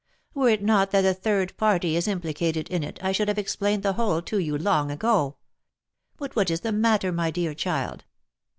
Were it not that a third party is implicated in it, I should have explained the whole to you long ago. But what is the matter, my dear child?